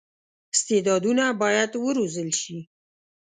استعدادونه باید وروزل شي.